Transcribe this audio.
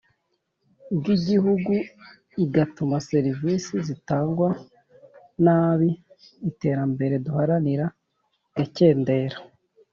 bw'igihugu, igatuma serivisi zitangwa nabi, iterambere duharanira rigakendera